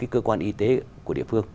cơ quan y tế của địa phương